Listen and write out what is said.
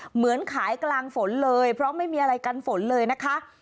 เหมือนขายกลางฝนเลยเพราะไม่มีอะไรกันฝนเลยนะคะ